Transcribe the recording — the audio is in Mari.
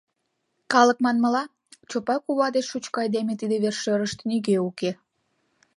Калык манмыла, Чопай кува деч шучко айдеме тиде вершӧрыштӧ нигӧ уке.